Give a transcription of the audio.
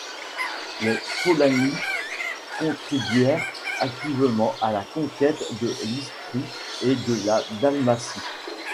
Les Polani contribuèrent activement à la conquête de l'Istrie et de la Dalmatie.